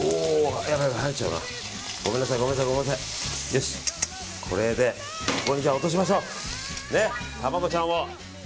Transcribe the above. よし、これでここに落としましょう卵ちゃんを。